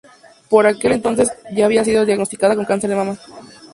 Por aquel entonces, ya había sido diagnosticada con cáncer de mama.